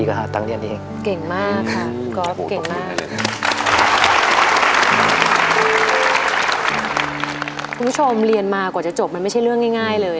เรียนมากว่าจะจบมันไม่ใช่เรื่องง่ายเลย